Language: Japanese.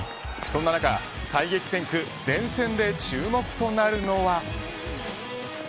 そんな中、最激戦区前線で注目となるのは。